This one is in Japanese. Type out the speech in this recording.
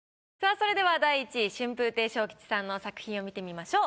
それでは第１位春風亭昇吉さんの作品を見てみましょう。